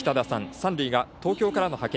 三塁が東京からの派遣